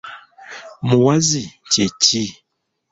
Muwaazi kye ki?.